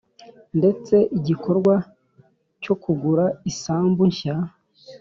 ndetse igikorwa cyo kugura isambu nshya.